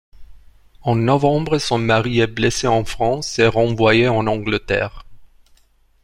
En novembre, son mari est blessé en France et renvoyé en Angleterre.